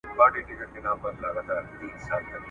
یو ځل بیا له خپل دښمنه په امان سو !.